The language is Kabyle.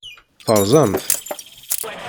Terẓam-t?